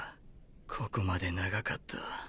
ここまで長かった。